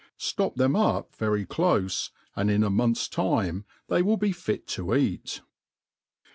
Stop them up very clofe, and in a month's time they will be fit to eat.